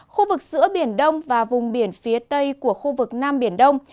khu vực giữa biển đông và vùng biển phía tây của khu vực nam biển đông